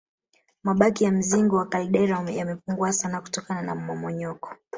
Mabaki ya mzingo wa kaldera yamepungua sana kutokana na mmomonyoko